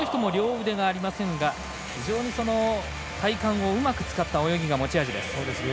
この人も両腕がありませんが体幹をうまく使った泳ぎが持ち味。